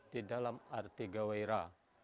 di dalam arti gawai ra